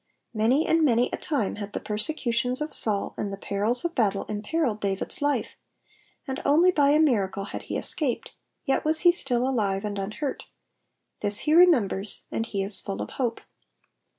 Many and many a time had the persecutions of Saul and the perils of battle emperilled David's life, and only by miracle had he escaped, yet was he still alive and unhurt ; this he remembers, and he is full of hope.